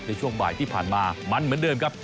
ในช่วงบ่ายที่ผ่านมามันเหมือนเดิมครับ